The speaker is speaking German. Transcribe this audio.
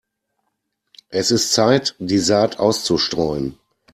Es ist Zeit, die Saat auszustreuen.